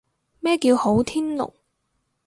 咩叫好天龍？